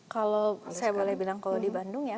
kalau saya boleh bilang kalau di bandung ya